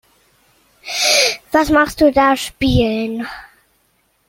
Was machst du da? Spielen.